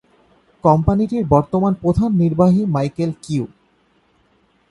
কোম্পানিটির বর্তমান প্রধান নির্বাহী মাইকেল কিউ।